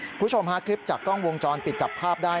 คุณผู้ชมฮะคลิปจากกล้องวงจรปิดจับภาพได้